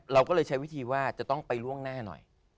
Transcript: เราก็เลยใช้วิธีว่าจะต้องไปล่วงหน้าหน่อย